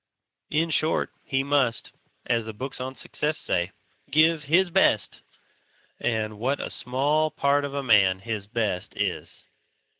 In short, he must (as the books on Success say) give "his best"; and what a small part of a man "his best" is!